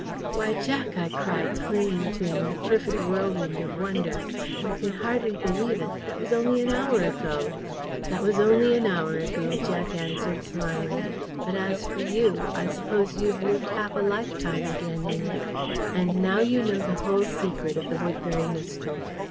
"Why, Jack," I cried clinging to him in a perfect whirlwind of wonder, "one can hardly believe it that was only an hour ago!" "That was only an hour ago," Jack answered, smiling. "But as for you, I suppose you've lived half a lifetime again in it. And now you know the whole secret of the Woodbury Mystery.